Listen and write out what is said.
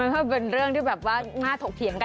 ก็เป็นเรื่องที่แบบว่าง่าถกเถียงกัน